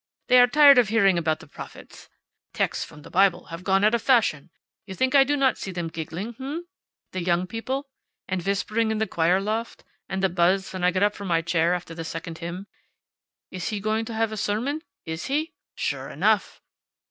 They are tired of hearing about the prophets. Texts from the Bible have gone out of fashion. You think I do not see them giggling, h'm? The young people. And the whispering in the choir loft. And the buzz when I get up from my chair after the second hymn. `Is he going to have a sermon? Is he? Sure enough!'